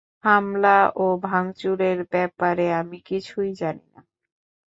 হামলা ও ভাঙচুরের ব্যাপারে আমি কিছুই জানি না।